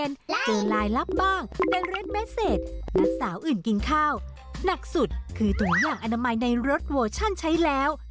อย่างอนามัยในรถโวชั่นใช้แล้ว